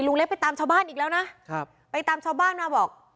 เล็กไปตามชาวบ้านอีกแล้วนะครับไปตามชาวบ้านมาบอก